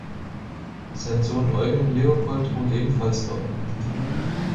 Sein Sohn Eugen Leopold ruht ebenfalls dort.